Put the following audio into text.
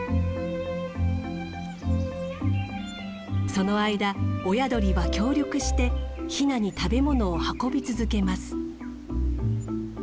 その間親鳥は協力してヒナに食べ物を運び続けます。